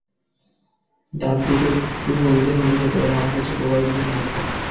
দাঁত দুটো একটু হলদে হলেও হতে পারে, আমার কাছে প্রবাল দ্বীপের মুক্তা।